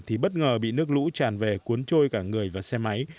thì bất ngờ bị nước lũ tràn về cuốn trôi cả người và xe máy